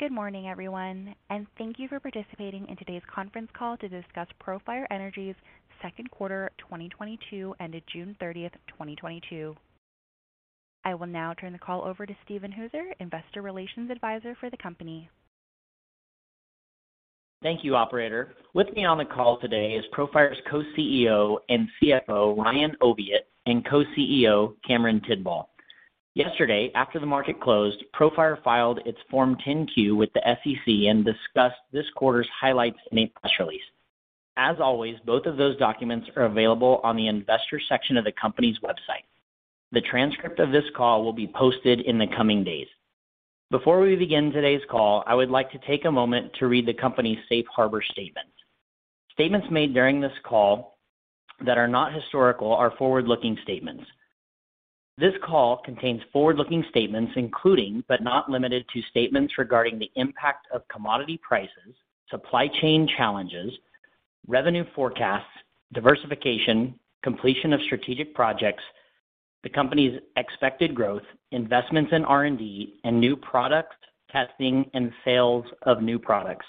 Good morning, everyone, and thank you for participating in today's conference call to discuss Profire Energy's Second Quarter 2022 ended June 30, 2022. I will now turn the call over to Steven Hooser, Investor Relations Advisor for the company. Thank you, operator. With me on the call today is Profire's Co-CEO and CFO, Ryan Oviatt, and Co-CEO, Cameron Tidball. Yesterday, after the market closed, Profire filed its Form 10-Q with the SEC and discussed this quarter's highlights in a press release. As always, both of those documents are available on the investor section of the company's website. The transcript of this call will be posted in the coming days. Before we begin today's call, I would like to take a moment to read the company's safe harbor statement. Statements made during this call that are not historical are forward-looking statements. This call contains forward-looking statements, including, but not limited to, statements regarding the impact of commodity prices, supply chain challenges, revenue forecasts, diversification, completion of strategic projects, the company's expected growth, investments in R&D and new product testing and sales of new products.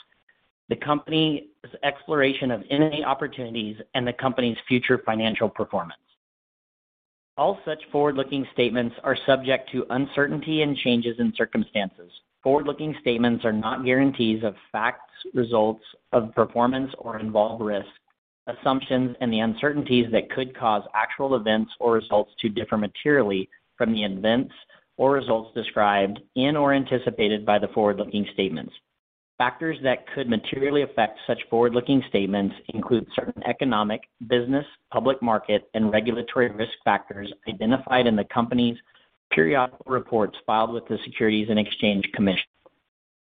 The company's exploration of M&A opportunities and the company's future financial performance. All such forward-looking statements are subject to uncertainty and changes in circumstances. Forward-looking statements are not guarantees of future results or performance and involve risks, assumptions and the uncertainties that could cause actual events or results to differ materially from the events or results described in or anticipated by the forward-looking statements. Factors that could materially affect such forward-looking statements include certain economic, business, public market, and regulatory risk factors identified in the company's periodic reports filed with the Securities and Exchange Commission.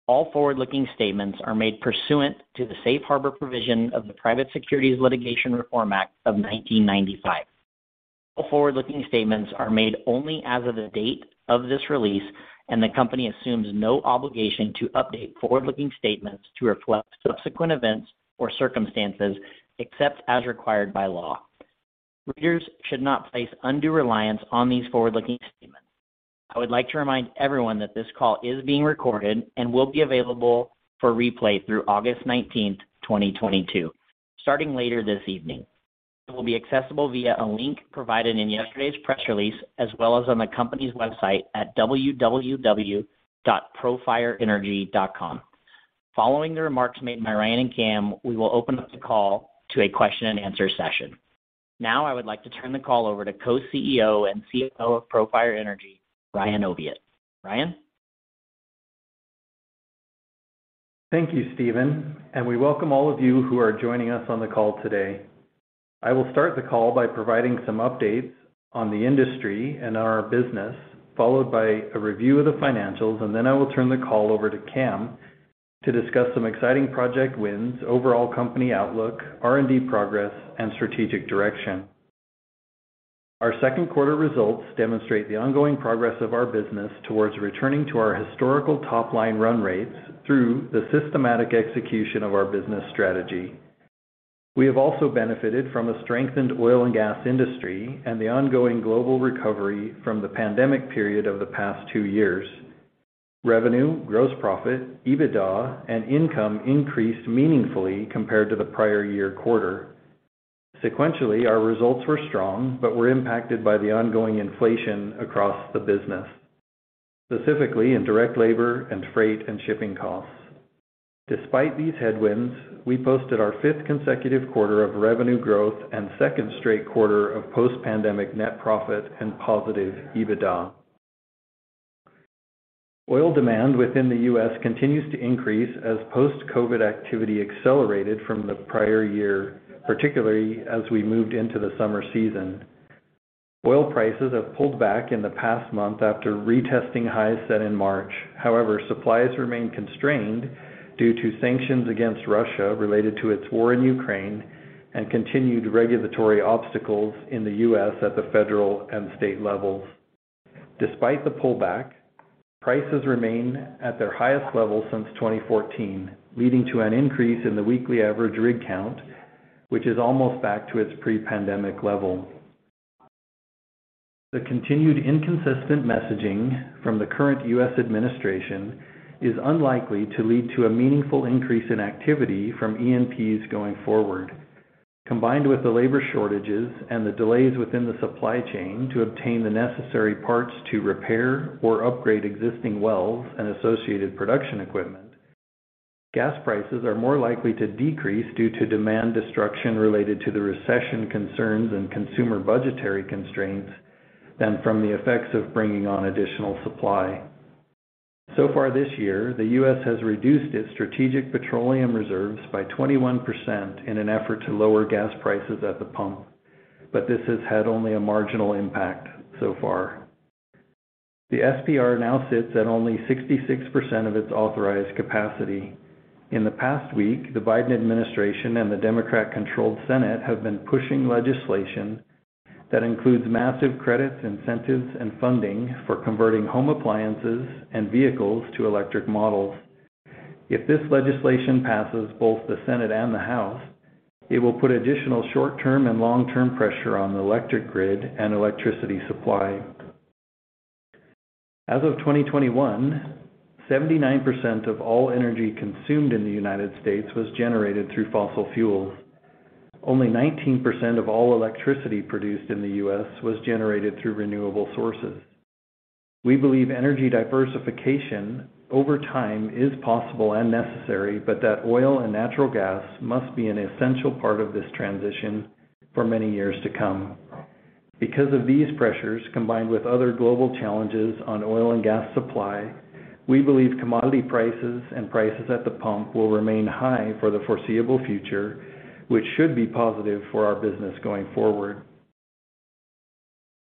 All forward-looking statements are made pursuant to the safe harbor provision of the Private Securities Litigation Reform Act of 1995. All forward-looking statements are made only as of the date of this release, and the company assumes no obligation to update forward-looking statements to reflect subsequent events or circumstances except as required by law. Readers should not place undue reliance on these forward-looking statements. I would like to remind everyone that this call is being recorded and will be available for replay through August 19, 2022, starting later this evening. It will be accessible via a link provided in yesterday's press release as well as on the company's website at www.profireenergy.com. Following the remarks made by Ryan and Cam, we will open up the call to a question-and-answer session. Now I would like to turn the call over to Co-CEO and CFO of Profire Energy, Ryan Oviatt. Ryan. Thank you, Steven, and we welcome all of you who are joining us on the call today. I will start the call by providing some updates on the industry and on our business, followed by a review of the financials, and then I will turn the call over to Cam to discuss some exciting project wins, overall company outlook, R&D progress, and strategic direction. Our second quarter results demonstrate the ongoing progress of our business towards returning to our historical top-line run rates through the systematic execution of our business strategy. We have also benefited from a strengthened oil and gas industry and the ongoing global recovery from the pandemic period of the past two years. Revenue, gross profit, EBITDA, and income increased meaningfully compared to the prior year quarter. Sequentially, our results were strong but were impacted by the ongoing inflation across the business, specifically in direct labor and freight and shipping costs. Despite these headwinds, we posted our fifth consecutive quarter of revenue growth and second straight quarter of post-pandemic net profit and positive EBITDA. Oil demand within the U.S. continues to increase as post-COVID activity accelerated from the prior year, particularly as we moved into the summer season. Oil prices have pulled back in the past month after retesting highs set in March. However, supplies remain constrained due to sanctions against Russia related to its war in Ukraine and continued regulatory obstacles in the U.S. at the federal and state levels. Despite the pullback, prices remain at their highest level since 2014, leading to an increase in the weekly average rig count, which is almost back to its pre-pandemic level. The continued inconsistent messaging from the current U.S. administration is unlikely to lead to a meaningful increase in activity from E&Ps going forward. Combined with the labor shortages and the delays within the supply chain to obtain the necessary parts to repair or upgrade existing wells and associated production equipment, gas prices are more likely to decrease due to demand destruction related to the recession concerns and consumer budgetary constraints than from the effects of bringing on additional supply. So far this year, the U.S. has reduced its strategic petroleum reserves by 21% in an effort to lower gas prices at the pump, but this has had only a marginal impact so far. The SPR now sits at only 66% of its authorized capacity. In the past week, the Biden administration and the Democrat-controlled Senate have been pushing legislation that includes massive credits, incentives, and funding for converting home appliances and vehicles to electric models. If this legislation passes both the Senate and the House, it will put additional short-term and long-term pressure on the electric grid and electricity supply. As of 2021, 79% of all energy consumed in the United States was generated through fossil fuels. Only 19% of all electricity produced in the U.S. was generated through renewable sources. We believe energy diversification over time is possible and necessary, but that oil and natural gas must be an essential part of this transition for many years to come. Because of these pressures, combined with other global challenges on oil and gas supply, we believe commodity prices and prices at the pump will remain high for the foreseeable future, which should be positive for our business going forward.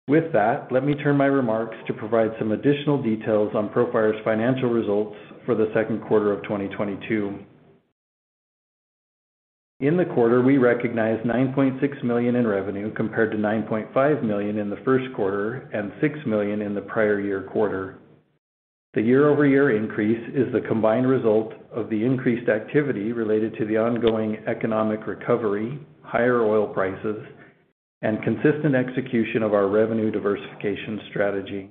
With that, let me turn my remarks to provide some additional details on Profire's financial results for the second quarter of 2022. In the quarter, we recognized $9.6 million in revenue compared to $9.5 million in the first quarter and $6 million in the prior year quarter. The year-over-year increase is the combined result of the increased activity related to the ongoing economic recovery, higher oil prices, and consistent execution of our revenue diversification strategy.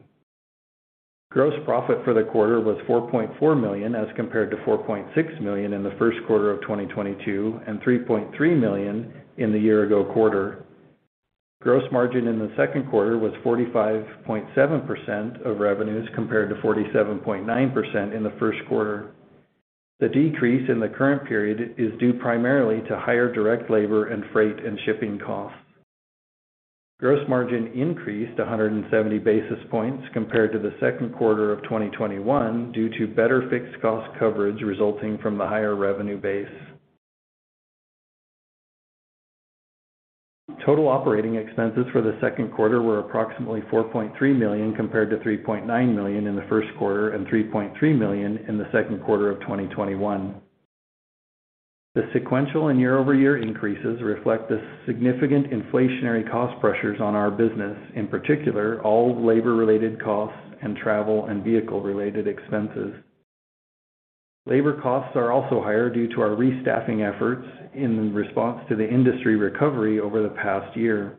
Gross profit for the quarter was $4.4 million as compared to $4.6 million in the first quarter of 2022 and $3.3 million in the year ago quarter. Gross margin in the second quarter was 45.7% of revenues compared to 47.9% in the first quarter. The decrease in the current period is due primarily to higher direct labor and freight and shipping costs. Gross margin increased 170 basis points compared to the second quarter of 2021 due to better fixed cost coverage resulting from the higher revenue base. Total operating expenses for the second quarter were approximately $4.3 million compared to $3.9 million in the first quarter and $3.3 million in the second quarter of 2021. The sequential and year-over-year increases reflect the significant inflationary cost pressures on our business, in particular, all labor-related costs and travel and vehicle-related expenses. Labor costs are also higher due to our restaffing efforts in response to the industry recovery over the past year.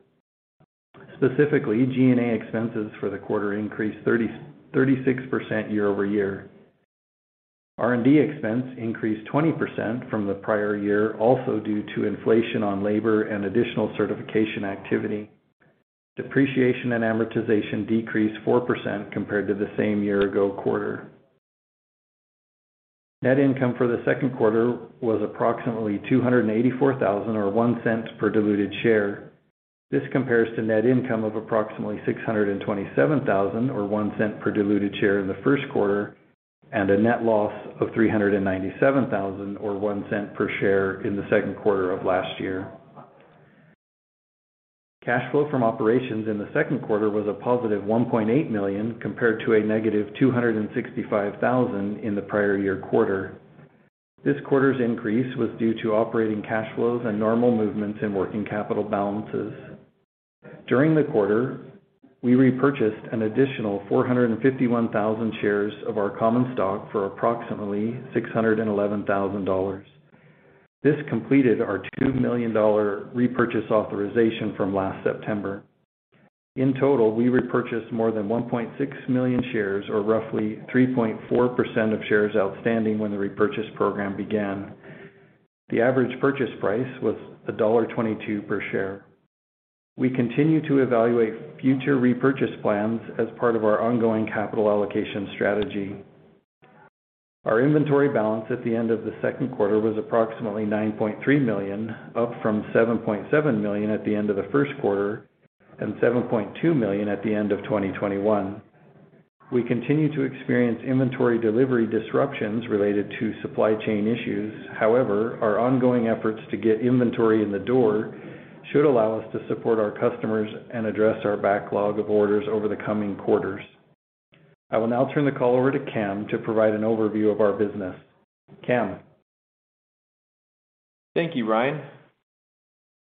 Specifically, G&A expenses for the quarter increased 36% year-over-year. R&D expense increased 20% from the prior year, also due to inflation on labor and additional certification activity. Depreciation and amortization decreased 4% compared to the same year ago quarter. Net income for the second quarter was approximately $284,000 or $0.01 per diluted share. This compares to net income of approximately $627,000 or $0.01 per diluted share in the first quarter, and a net loss of $397,000 or $0.01 per share in the second quarter of last year. Cash flow from operations in the second quarter was a +$1.8 million compared to a -$265,000 in the prior year quarter. This quarter's increase was due to operating cash flows and normal movements in working capital balances. During the quarter, we repurchased an additional 451,000 shares of our common stock for approximately $611,000. This completed our $2 million repurchase authorization from last September. In total, we repurchased more than 1.6 million shares or roughly 3.4% of shares outstanding when the repurchase program began. The average purchase price was $1.22 per share. We continue to evaluate future repurchase plans as part of our ongoing capital allocation strategy. Our inventory balance at the end of the second quarter was approximately $9.3 million, up from $7.7 million at the end of the first quarter and $7.2 million at the end of 2021. We continue to experience inventory delivery disruptions related to supply chain issues. However, our ongoing efforts to get inventory in the door should allow us to support our customers and address our backlog of orders over the coming quarters. I will now turn the call over to Cam to provide an overview of our business. Cam? Thank you, Ryan.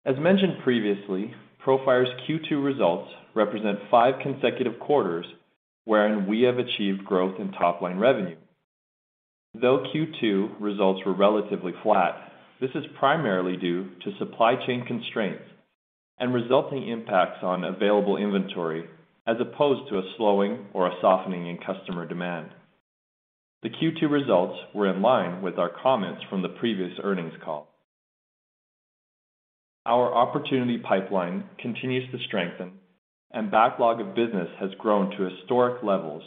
As mentioned previously, Profire's Q2 results represent five consecutive quarters wherein we have achieved growth in top-line revenue. Though Q2 results were relatively flat, this is primarily due to supply chain constraints and resulting impacts on available inventory as opposed to a slowing or a softening in customer demand. The Q2 results were in line with our comments from the previous earnings call. Our opportunity pipeline continues to strengthen and backlog of business has grown to historic levels.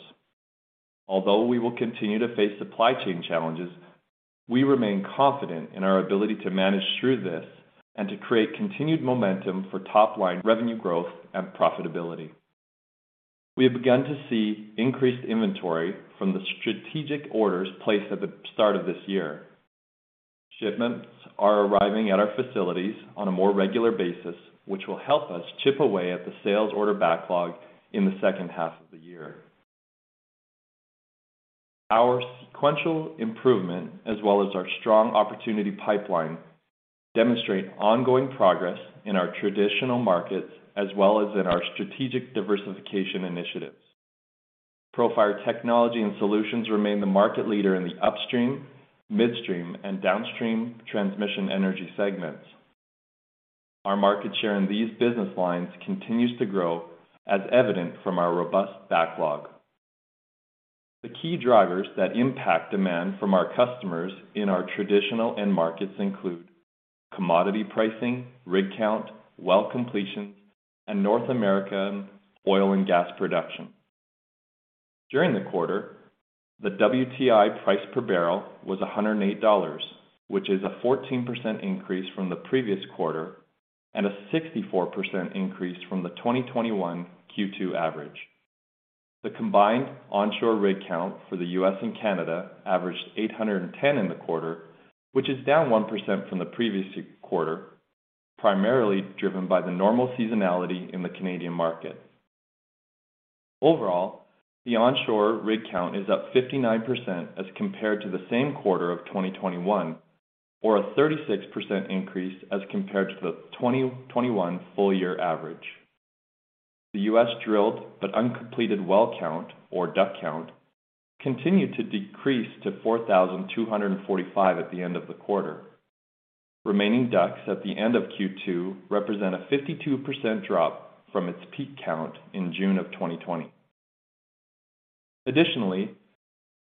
Although we will continue to face supply chain challenges, we remain confident in our ability to manage through this and to create continued momentum for top-line revenue growth and profitability. We have begun to see increased inventory from the strategic orders placed at the start of this year. Shipments are arriving at our facilities on a more regular basis, which will help us chip away at the sales order backlog in the second half of the year. Our sequential improvement as well as our strong opportunity pipeline demonstrate ongoing progress in our traditional markets as well as in our strategic diversification initiatives. Profire technology and solutions remain the market leader in the upstream, midstream, and downstream transmission energy segments. Our market share in these business lines continues to grow as is evident from our robust backlog. The key drivers that impact demand from our customers in our traditional end markets include commodity pricing, rig count, well completions, and North American oil and gas production. During the quarter, the WTI price per barrel was $108, which is a 14% increase from the previous quarter and a 64% increase from the 2021 Q2 average. The combined onshore rig count for the U.S. and Canada averaged 810 in the quarter, which is down 1% from the previous quarter, primarily driven by the normal seasonality in the Canadian market. Overall, the onshore rig count is up 59% as compared to the same quarter of 2021 or a 36% increase as compared to the 2021 full year average. The U.S. drilled but uncompleted well count or DUC count continued to decrease to 4,245 at the end of the quarter. Remaining DUCs at the end of Q2 represent a 52% drop from its peak count in June of 2020. Additionally,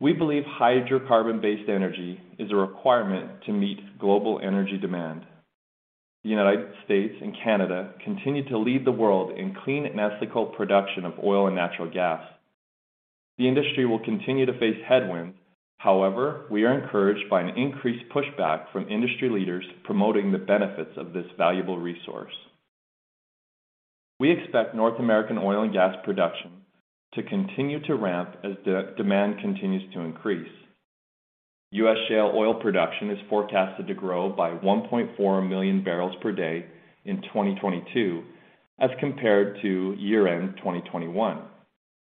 we believe hydrocarbon-based energy is a requirement to meet global energy demand. The United States and Canada continue to lead the world in clean and ethical production of oil and natural gas. The industry will continue to face headwinds. However, we are encouraged by an increased pushback from industry leaders promoting the benefits of this valuable resource. We expect North American oil and gas production to continue to ramp as demand continues to increase. U.S. shale oil production is forecasted to grow by 1.4 million barrels per day in 2022 as compared to year-end 2021,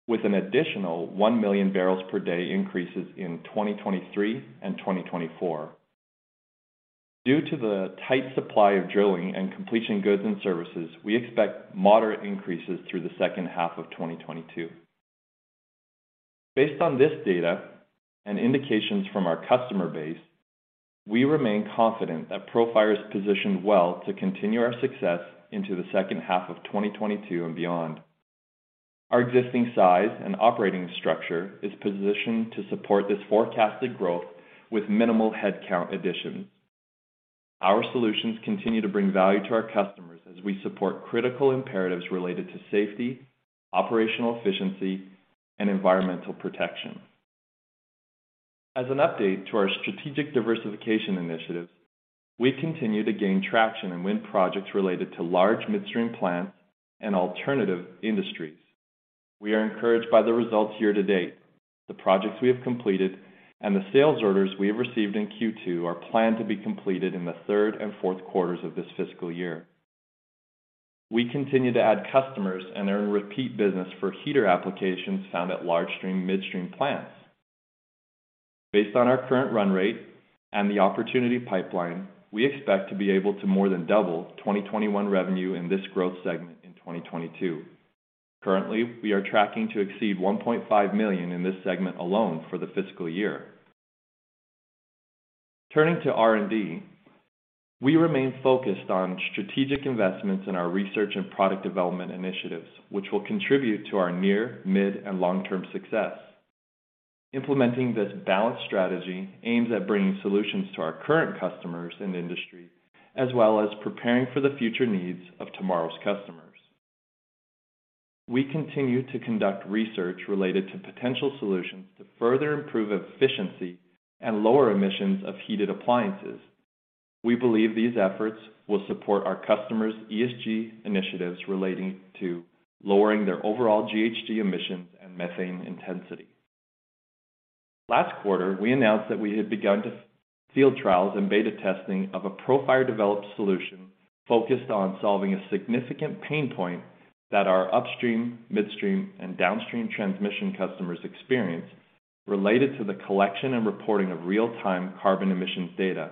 with an additional 1 million barrels per day increase in 2023 and 2024. Due to the tight supply of drilling and completion goods and services, we expect moderate increase through the second half of 2022. Based on this data and indications from our customer base, we remain confident that Profire is positioned well to continue our success into the second half of 2022 and beyond. Our existing size and operating structure is positioned to support this forecasted growth with minimal headcount additions. Our solutions continue to bring value to our customers as we support critical imperatives related to safety, operational efficiency, and environmental protection. As an update to our strategic diversification initiatives, we continue to gain traction and win projects related to large midstream plants and alternative industries. We are encouraged by the results year-to-date. The projects we have completed and the sales orders we have received in Q2 are planned to be completed in the third and fourth quarters of this fiscal year. We continue to add customers and earn repeat business for heater applications found at large midstream plants. Based on our current run rate and the opportunity pipeline, we expect to be able to more than double 2021 revenue in this growth segment in 2022. Currently, we are tracking to exceed $1.5 million in this segment alone for the fiscal year. Turning to R&D, we remain focused on strategic investments in our research and product development initiatives, which will contribute to our near, mid, and long-term success. Implementing this balanced strategy aims at bringing solutions to our current customers and industry, as well as preparing for the future needs of tomorrow's customers. We continue to conduct research related to potential solutions to further improve efficiency and lower emissions of heated appliances. We believe these efforts will support our customers' ESG initiatives relating to lowering their overall GHG emissions and methane intensity. Last quarter, we announced that we had begun to field trials and beta testing of a Profire-developed solution focused on solving a significant pain point that our upstream, midstream, and downstream transmission customers experience related to the collection and reporting of real-time carbon emissions data.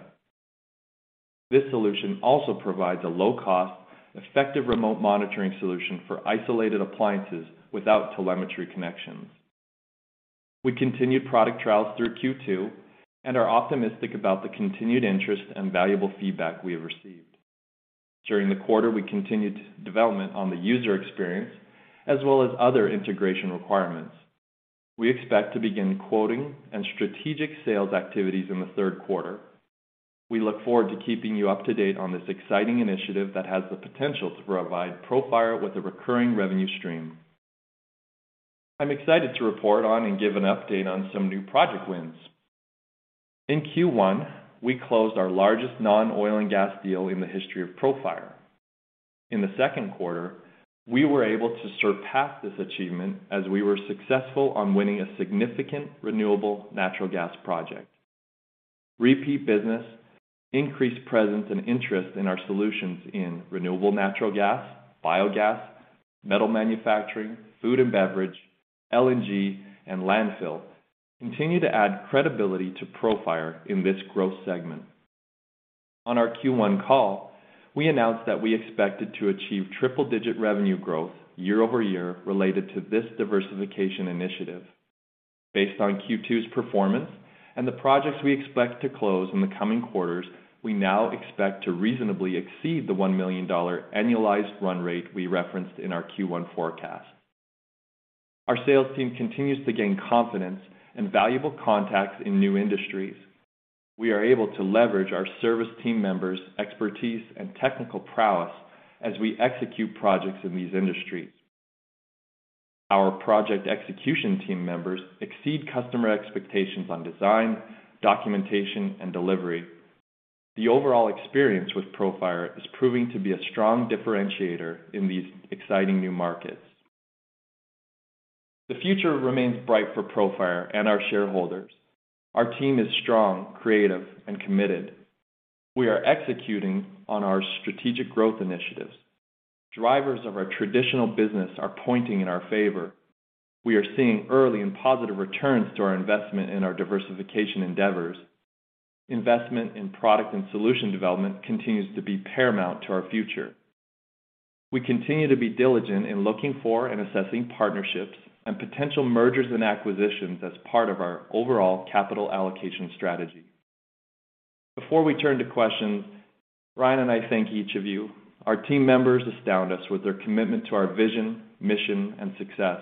This solution also provides a low cost, effective remote monitoring solution for isolated appliances without telemetry connections. We continued product trials through Q2 and are optimistic about the continued interest and valuable feedback we have received. During the quarter, we continued development on the user experience as well as other integration requirements. We expect to begin quoting and strategic sales activities in the third quarter. We look forward to keeping you up to date on this exciting initiative that has the potential to provide Profire with a recurring revenue stream. I'm excited to report on and give an update on some new project wins. In Q1, we closed our largest non-oil and gas deal in the history of Profire. In the second quarter, we were able to surpass this achievement as we were successful in winning a significant renewable natural gas project. Repeat business, increased presence and interest in our solutions in renewable natural gas, biogas, metal manufacturing, food and beverage, LNG and landfill continue to add credibility to Profire in this growth segment. On our Q1 call, we announced that we expected to achieve triple-digit revenue growth year-over-year related to this diversification initiative. Based on Q2's performance and the projects we expect to close in the coming quarters, we now expect to reasonably exceed the $1 million annualized run rate we referenced in our Q1 forecast. Our sales team continues to gain confidence and valuable contacts in new industries. We are able to leverage our service team members' expertise and technical prowess as we execute projects in these industries. Our project execution team members exceed customer expectations on design, documentation, and delivery. The overall experience with Profire is proving to be a strong differentiator in these exciting new markets. The future remains bright for Profire and our shareholders. Our team is strong, creative, and committed. We are executing on our strategic growth initiatives. Drivers of our traditional business are pointing in our favor. We are seeing early and positive returns to our investment in our diversification endeavors. Investment in product and solution development continues to be paramount to our future. We continue to be diligent in looking for and assessing partnerships and potential mergers and acquisitions as part of our overall capital allocation strategy. Before we turn to questions, Ryan and I thank each of you. Our team members astound us with their commitment to our vision, mission, and success.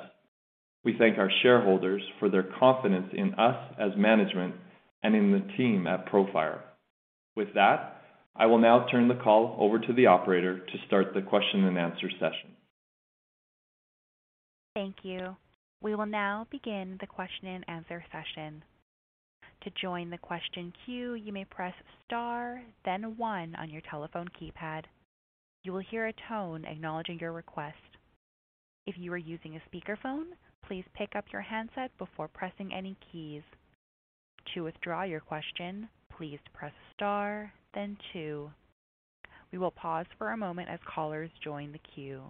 We thank our shareholders for their confidence in us as management and in the team at Profire. With that, I will now turn the call over to the operator to start the question and answer session. Thank you. We will now begin the question and answer session. To join the question queue, you may press star then one on your telephone keypad. You will hear a tone acknowledging your request. If you are using a speakerphone, please pick up your handset before pressing any keys. To withdraw your question, please press star then two. We will pause for a moment as callers join the queue.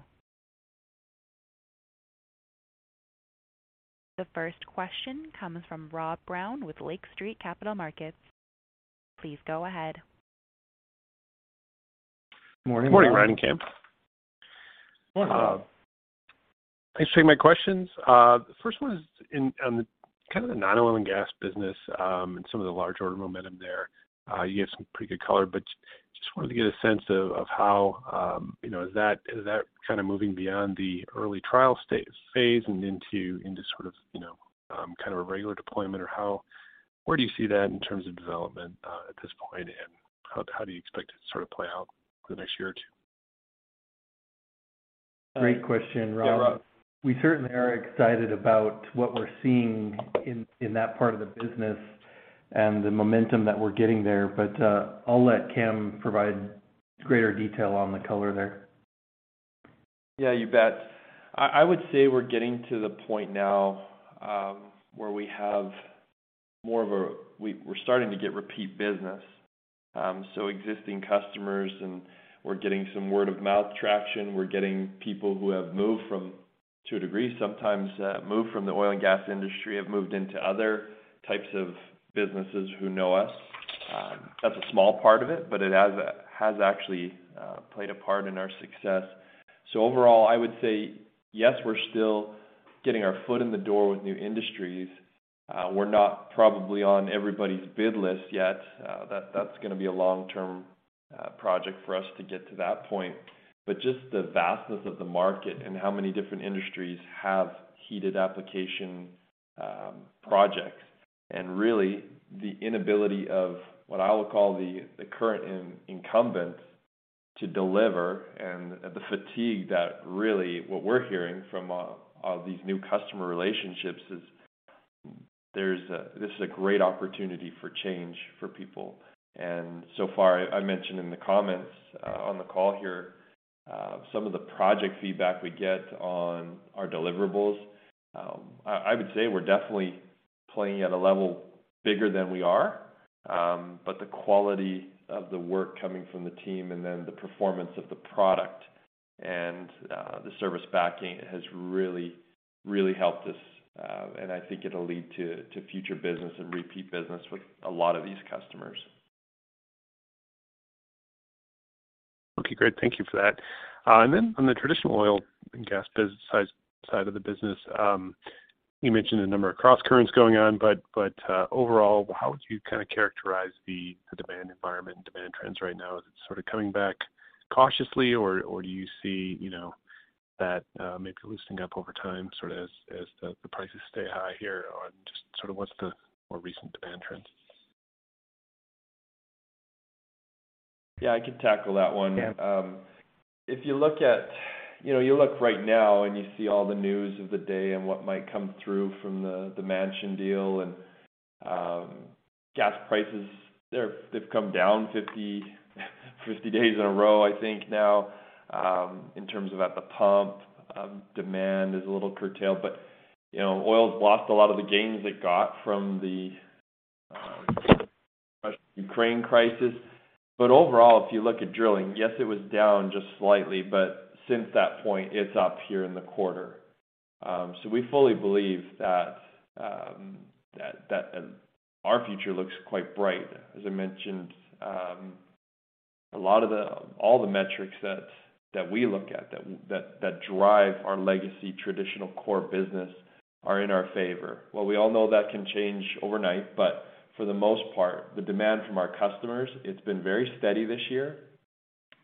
The first question comes from Rob Brown with Lake Street Capital Markets. Please go ahead. Morning, Ryan and Cam. Morning, Rob. Thanks for taking my questions. The first one is on the kind of the non-oil and gas business and some of the large order momentum there. You gave some pretty good color, but just wanted to get a sense of how, you know, is that kind of moving beyond the early trial phase and into sort of, you know, kind of a regular deployment or where do you see that in terms of development at this point, and how do you expect it to sort of play out for the next year or two? Great question, Rob. We certainly are excited about what we're seeing in that part of the business and the momentum that we're getting there. I'll let Cam provide greater detail on the color there. Yeah, you bet. I would say we're getting to the point now, where we're starting to get repeat business. Existing customers and we're getting some word of mouth traction. We're getting people who have moved from, to a degree, sometimes, moved from the oil and gas industry, have moved into other types of businesses who know us. That's a small part of it, but it has actually played a part in our success. Overall, I would say, yes, we're still getting our foot in the door with new industries. We're not probably on everybody's bid list yet. That's gonna be a long-term project for us to get to that point. Just the vastness of the market and how many different industries have heated application projects, and really the inability of what I would call the current incumbents to deliver and the fatigue that really what we're hearing from these new customer relationships is this is a great opportunity for change for people. So far, I mentioned in the comments on the call here some of the project feedback we get on our deliverables, I would say we're definitely playing at a level bigger than we are. The quality of the work coming from the team and then the performance of the product and the service backing has really helped us. I think it'll lead to future business and repeat business with a lot of these customers. Okay, great. Thank you for that. On the traditional oil and gas business side of the business, you mentioned a number of crosscurrents going on, but overall, how would you kind of characterize the demand environment and demand trends right now? Is it sort of coming back cautiously, or do you see, you know, that maybe loosening up over time, sort of as the prices stay high here on, just sort of what's the more recent demand trends? Yeah, I can tackle that one. Yeah. You know, you look right now, and you see all the news of the day and what might come through from the Manchin deal and gas prices they've come down 50 days in a row, I think now, in terms of at the pump. Demand is a little curtailed, but you know, oil's lost a lot of the gains it got from the Ukraine crisis. Overall, if you look at drilling, yes, it was down just slightly, but since that point it's up here in the quarter. We fully believe that our future looks quite bright. As I mentioned, all the metrics that we look at that drive our legacy traditional core business are in our favor. Well, we all know that can change overnight, but for the most part, the demand from our customers, it's been very steady this year.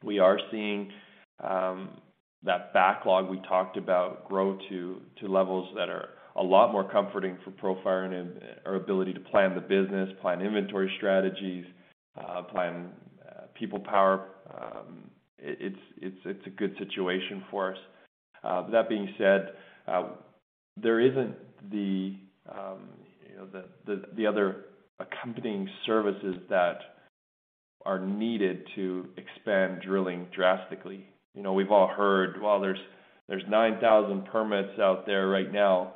We are seeing that backlog we talked about grow to levels that are a lot more comforting for Profire and our ability to plan the business, plan inventory strategies, plan people power. It's a good situation for us. That being said, there isn't the you know, the other accompanying services that are needed to expand drilling drastically. You know, we've all heard, well, there's 9,000 permits out there right now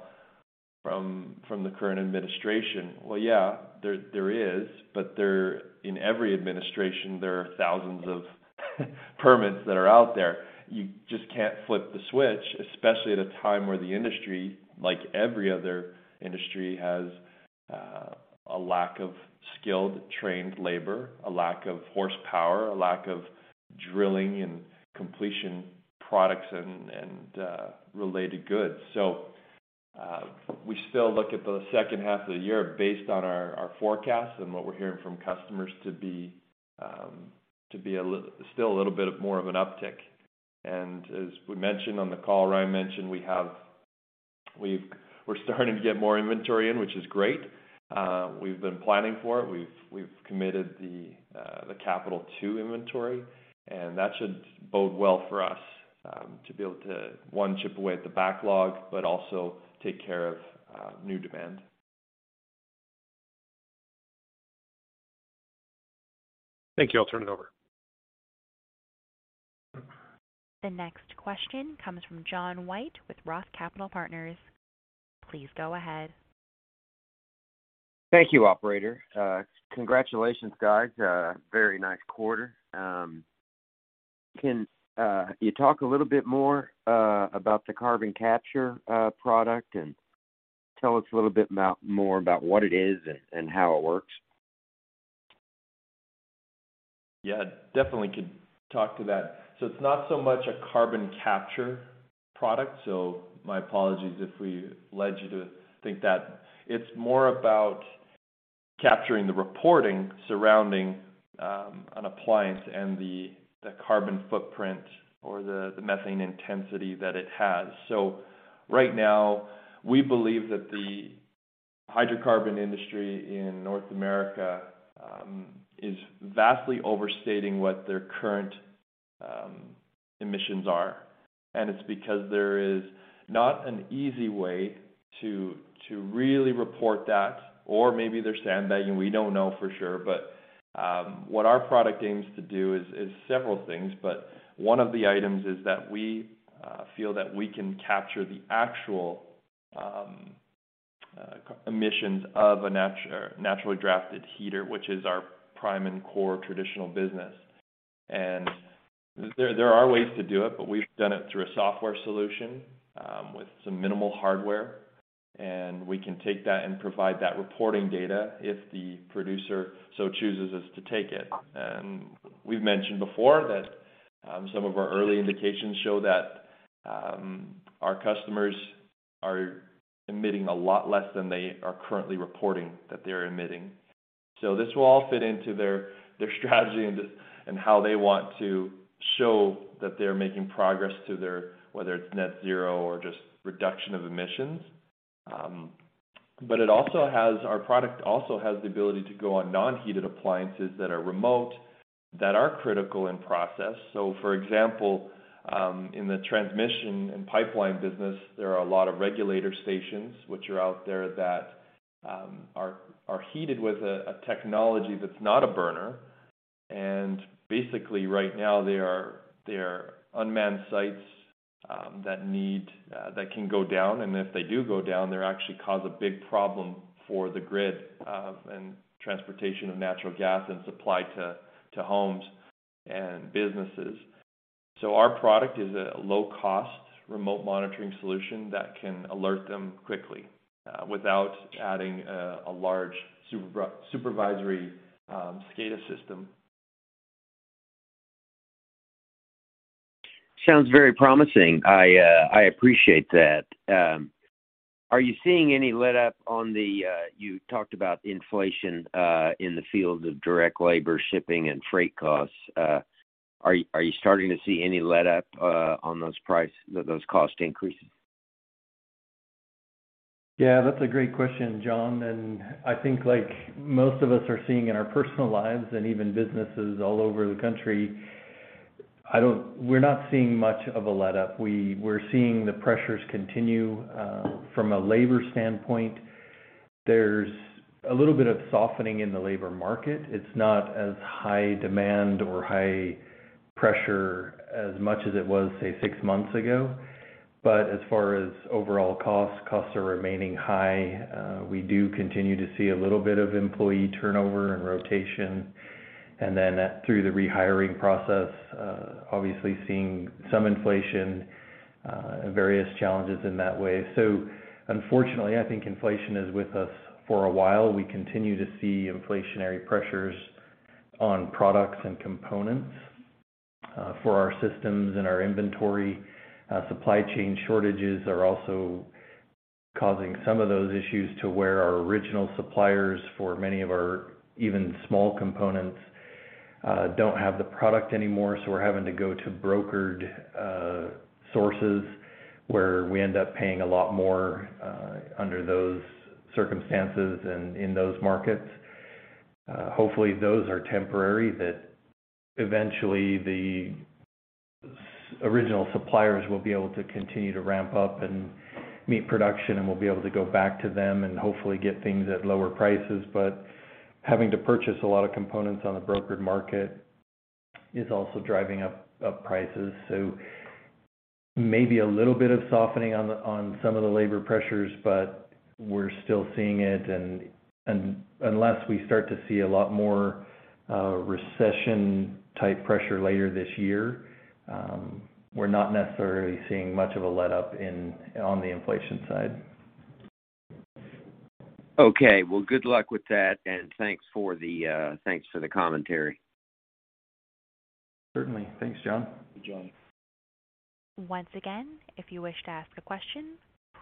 from the current administration. Well, yeah, there is, but in every administration, there are thousands of permits that are out there. You just can't flip the switch, especially at a time where the industry, like every other industry, has a lack of skilled, trained labor, a lack of horsepower, a lack of drilling and completion products and related goods. So, we still look at the second half of the year based on our forecast and what we're hearing from customers to be still a little bit more of an uptick. As we mentioned on the call, Ryan mentioned we're starting to get more inventory in, which is great. We've been planning for it. We've committed the capital to inventory, and that should bode well for us to be able to, one, chip away at the backlog, but also take care of new demand. Thank you. I'll turn it over. The next question comes from John White with Roth Capital Partners. Please go ahead. Thank you, operator. Congratulations, guys. Very nice quarter. Can you talk a little bit more about the carbon capture product and tell us a little bit more about what it is and how it works? Yeah, definitely could talk to that. It's not so much a carbon capture product. My apologies if we led you to think that. It's more about capturing the reporting surrounding an appliance and the carbon footprint or the methane intensity that it has. Right now we believe that the hydrocarbon industry in North America is vastly overstating what their current emissions are. It's because there is not an easy way to really report that or maybe they're sandbagging. We don't know for sure, but what our product aims to do is several things. One of the items is that we feel that we can capture the actual emissions of a naturally drafted heater, which is our prime and core traditional business. There are ways to do it, but we've done it through a software solution with some minimal hardware. We can take that and provide that reporting data if the producer so chooses us to take it. We've mentioned before that some of our early indications show that our customers are emitting a lot less than they are currently reporting that they are emitting. This will all fit into their strategy and how they want to show that they're making progress to their whether it's net zero or just reduction of emissions. But our product also has the ability to go on non-heated appliances that are remote, that are critical in process. For example, in the transmission and pipeline business, there are a lot of regulator stations which are out there that are heated with a technology that's not a burner. Basically, right now they are unmanned sites that can go down, and if they do go down, they actually cause a big problem for the grid and transportation of natural gas and supply to homes and businesses. Our product is a low-cost remote monitoring solution that can alert them quickly without adding a large supervisory SCADA system. Sounds very promising. I appreciate that. Are you seeing any letup on the you talked about inflation in the fields of direct labor, shipping and freight costs? Are you starting to see any letup on those cost increases? Yeah, that's a great question, John. I think like most of us are seeing in our personal lives and even businesses all over the country, we're not seeing much of a letup. We're seeing the pressures continue from a labor standpoint. There's a little bit of softening in the labor market. It's not as high demand or high pressure as much as it was, say, six months ago. As far as overall costs are remaining high, we do continue to see a little bit of employee turnover and rotation. Through the rehiring process, obviously seeing some inflation, various challenges in that way. Unfortunately, I think inflation is with us for a while. We continue to see inflationary pressures on products and components for our systems and our inventory. Supply chain shortages are also causing some of those issues to where our original suppliers for many of our even small components don't have the product anymore, so we're having to go to brokered sources where we end up paying a lot more under those circumstances and in those markets. Hopefully those are temporary, that eventually the original suppliers will be able to continue to ramp up and meet production, and we'll be able to go back to them and hopefully get things at lower prices. Having to purchase a lot of components on the brokered market is also driving up prices. Maybe a little bit of softening on some of the labor pressures, but we're still seeing it. Unless we start to see a lot more recession-type pressure later this year, we're not necessarily seeing much of a letup on the inflation side. Okay. Well, good luck with that, and thanks for the commentary. Certainly. Thanks, John. Once again, if you wish to ask a question,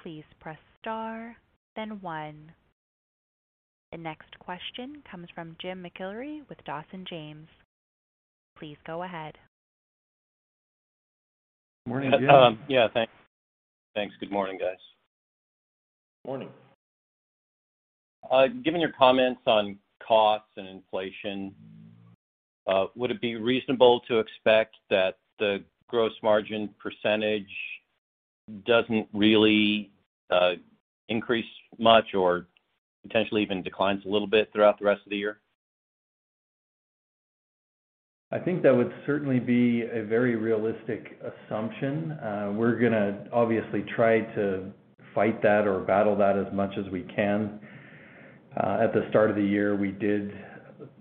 please press star then one. The next question comes from Jim McIlree with Dawson James. Please go ahead. Morning, Jim. Yeah, thanks. Good morning, guys. Morning. Given your comments on costs and inflation, would it be reasonable to expect that the gross margin percentage doesn't really increase much or potentially even declines a little bit throughout the rest of the year? I think that would certainly be a very realistic assumption. We're gonna obviously try to fight that or battle that as much as we can. At the start of the year, we did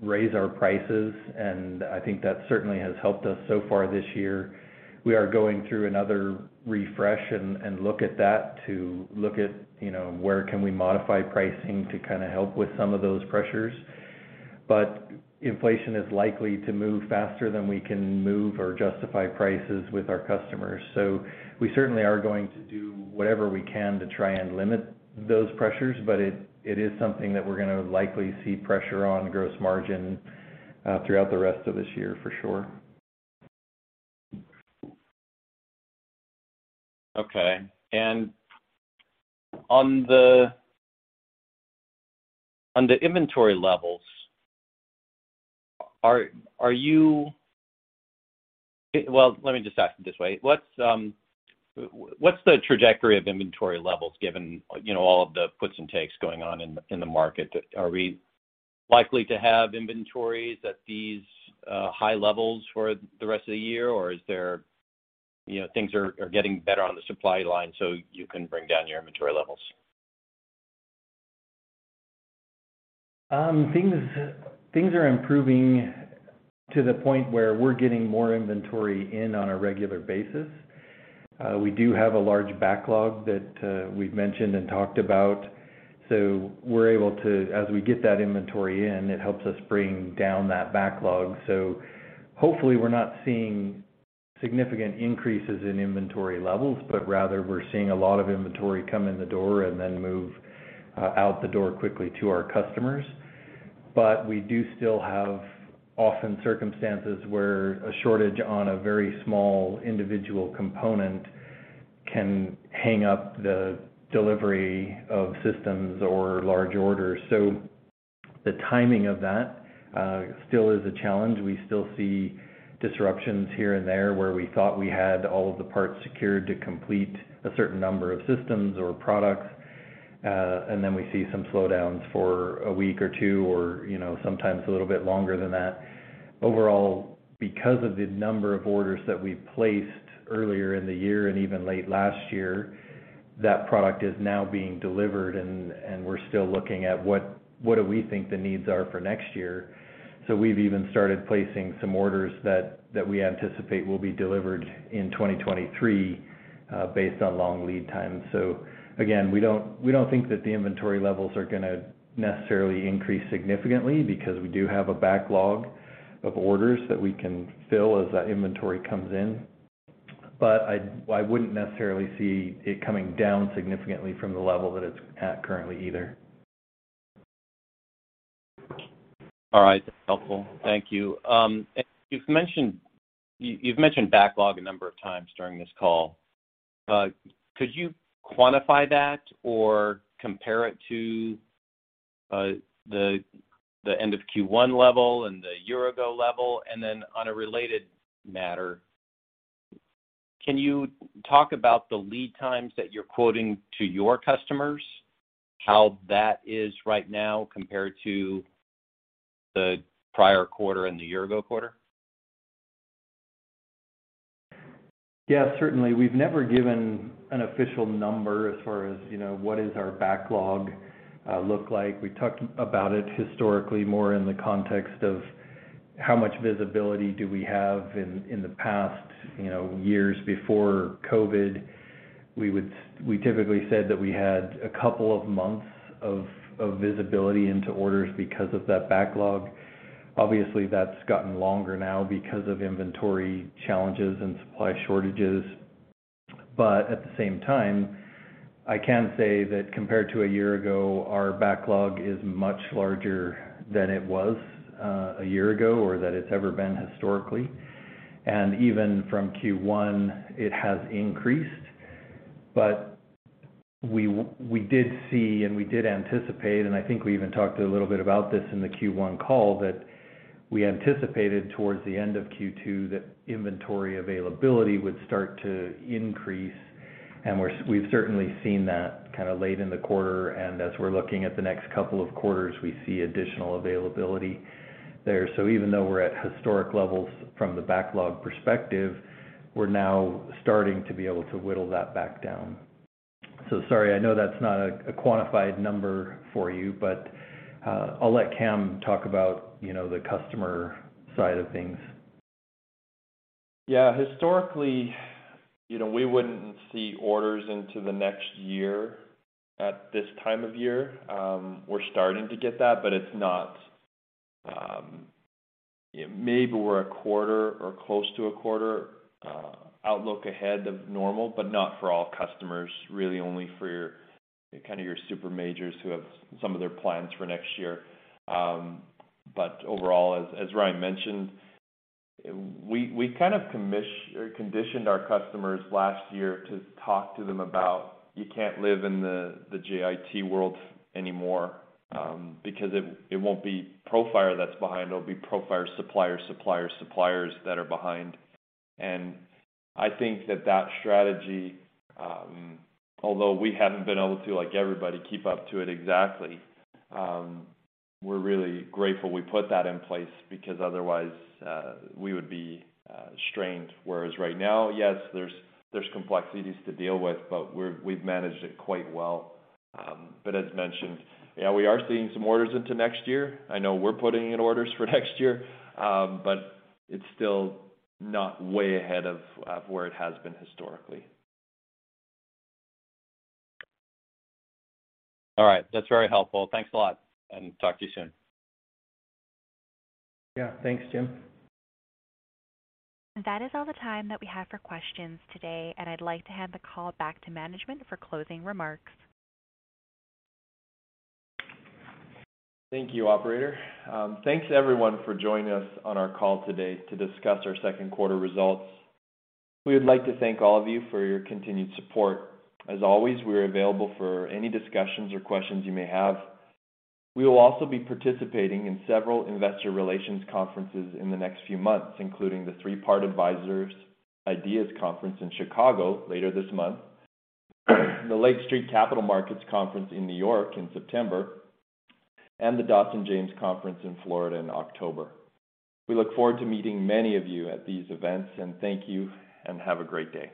raise our prices, and I think that certainly has helped us so far this year. We are going through another refresh and look at, you know, where can we modify pricing to kinda help with some of those pressures. Inflation is likely to move faster than we can move or justify prices with our customers. We certainly are going to do whatever we can to try and limit those pressures, but it is something that we're gonna likely see pressure on gross margin throughout the rest of this year, for sure. Okay. On the inventory levels, are you... Well, let me just ask it this way. What's the trajectory of inventory levels given, you know, all of the puts and takes going on in the market? Are we likely to have inventories at these high levels for the rest of the year, or is there, you know, things are getting better on the supply line, so you can bring down your inventory levels? Things are improving to the point where we're getting more inventory in on a regular basis. We do have a large backlog that we've mentioned and talked about, so we're able to, as we get that inventory in, it helps us bring down that backlog. Hopefully we're not seeing significant increases in inventory levels, but rather we're seeing a lot of inventory come in the door and then move out the door quickly to our customers. We do still have often circumstances where a shortage on a very small individual component can hang up the delivery of systems or large orders. The timing of that still is a challenge. We still see disruptions here and there, where we thought we had all of the parts secured to complete a certain number of systems or products, and then we see some slowdowns for a week or two or sometimes a little bit longer than that. Overall, because of the number of orders that we placed earlier in the year and even late last year, that product is now being delivered and we're still looking at what do we think the needs are for next year. We've even started placing some orders that we anticipate will be delivered in 2023, based on long lead times. Again, we don't think that the inventory levels are gonna necessarily increase significantly because we do have a backlog of orders that we can fill as that inventory comes in. I wouldn't necessarily see it coming down significantly from the level that it's at currently either. All right. That's helpful. Thank you. You've mentioned backlog a number of times during this call. Could you quantify that or compare it to the end of Q1 level and the year ago level? Then on a related matter, can you talk about the lead times that you're quoting to your customers? How that is right now compared to the prior quarter and the year-ago quarter? Yeah, certainly. We've never given an official number as far as, you know, what is our backlog look like. We talked about it historically more in the context of how much visibility do we have in the past, you know, years before COVID. We typically said that we had a couple of months of visibility into orders because of that backlog. Obviously, that's gotten longer now because of inventory challenges and supply shortages. At the same time, I can say that compared to a year ago, our backlog is much larger than it was a year ago or that it's ever been historically. Even from Q1 it has increased. We did see and we did anticipate, and I think we even talked a little bit about this in the Q1 call, that we anticipated towards the end of Q2 that inventory availability would start to increase. We've certainly seen that kinda late in the quarter. As we're looking at the next couple of quarters, we see additional availability there. Even though we're at historic levels from the backlog perspective, we're now starting to be able to whittle that back down. Sorry, I know that's not a quantified number for you, but I'll let Cam talk about, you know, the customer side of things. Yeah. Historically, you know, we wouldn't see orders into the next year at this time of year. We're starting to get that, but it's not maybe we're a quarter or close to a quarter outlook ahead of normal, but not for all customers. Really only for kind of your super majors who have some of their plans for next year. But overall, as Ryan mentioned, we kind of conditioned our customers last year to talk to them about you can't live in the JIT world anymore, because it won't be Profire that's behind, it'll be Profire's supplier's supplier's suppliers that are behind. I think that strategy, although we haven't been able to, like everybody, keep up to it exactly, we're really grateful we put that in place because otherwise, we would be strained. Whereas right now, yes, there's complexities to deal with, but we've managed it quite well. As mentioned, yeah, we are seeing some orders into next year. I know we're putting in orders for next year, but it's still not way ahead of where it has been historically. All right. That's very helpful. Thanks a lot, and talk to you soon. Yeah. Thanks, Jim. That is all the time that we have for questions today, and I'd like to hand the call back to management for closing remarks. Thank you, operator. Thanks everyone for joining us on our call today to discuss our second quarter results. We would like to thank all of you for your continued support. As always, we are available for any discussions or questions you may have. We will also be participating in several investor relations conferences in the next few months, including the Three Part Advisors IDEAS Conference in Chicago later this month, the Lake Street Capital Markets Conference in New York in September, and the Dawson James Conference in Florida in October. We look forward to meeting many of you at these events, and thank you and have a great day.